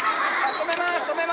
止めます！